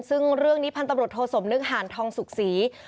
ซึ่งเรื่องนี้พันตำรวจโทสมนึกหารทองสุขศรี